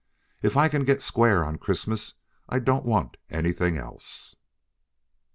If I can get square for Christmas I don't want anything else."